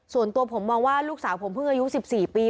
ส่วนตัวผมมองว่าลูกสาวผมเพิ่งอายุ๑๔ปี